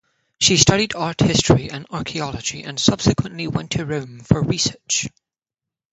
She studied art history and archaeology and subsequently went to Rome for research.